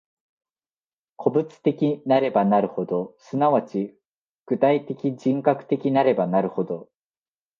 個物的なればなるほど、即ち具体的人格的なればなるほど、